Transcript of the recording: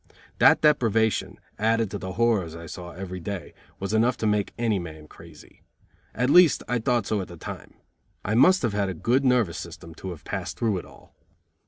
That deprivation, added to the horrors I saw every day, was enough to make any man crazy. At least, I thought so at the time. I must have had a good nervous system to have passed through it all.